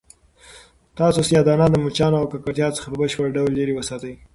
تاسو سیاه دانه د مچانو او ککړتیا څخه په بشپړ ډول لیرې وساتئ.